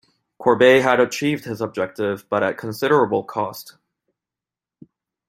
Courbet had achieved his objective, but at considerable cost.